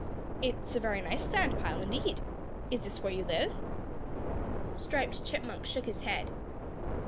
It's a very nice sand pile indeed. Is this where you live?" Striped Chipmunk shook his head.